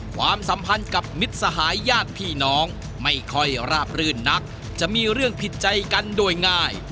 ความสัมพันธ์กับมิตรสหายญาติพี่น้องไม่ค่อยราบรื่นนักจะมีเรื่องผิดใจกันโดยง่าย